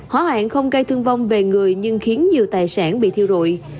hỏa hoạn không gây thương vong về người nhưng khiến nhiều tài sản bị thiêu rụi